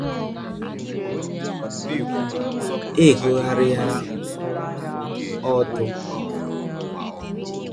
e hogharịa ọdụ.